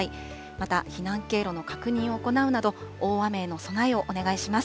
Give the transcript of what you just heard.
また、避難経路の確認を行うなど、大雨への備えをお願いします。